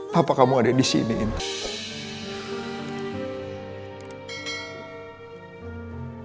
papa kamu ada disini intan